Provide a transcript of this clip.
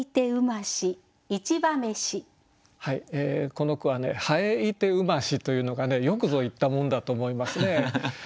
この句は「蠅ゐてうまし」というのがねよくぞ言ったもんだと思いますね。